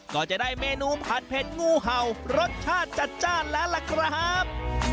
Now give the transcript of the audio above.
ก็จะได้เมนูผัดเผ็ดงูเห่ารสชาติจัดจ้านแล้วล่ะครับ